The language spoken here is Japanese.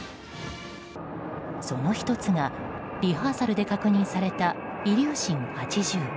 その１つが、リハーサルで確認されたイリューシン８０。